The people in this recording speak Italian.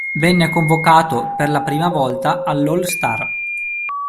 Venne convocato per la prima volta all'All-Star.